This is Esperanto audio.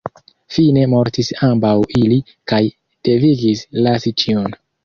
Fine mortis ambaŭ ili, kaj devigis lasi ĉion.